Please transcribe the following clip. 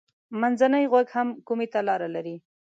منځنی غوږ هم کومي ته لاره لري.